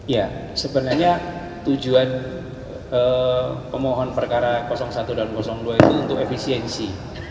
ya sebenarnya tujuan pemohon perkara satu dan dua itu untuk efisiensi